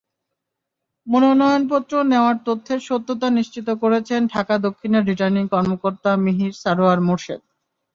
মনোনয়নপত্র নেওয়ার তথ্যের সত্যতা নিশ্চিত করেছেন ঢাকা দক্ষিণের রিটার্নিং কর্মকর্তা মিহির সারোয়ার মোর্শেদ।